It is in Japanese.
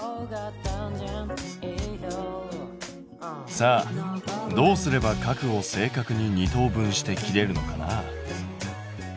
さあどうすれば角を正確に二等分して切れるのかな？